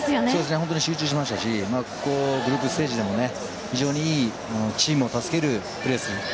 本当に集中しましたしグループステージでも非常に良いチームを助けるプレス。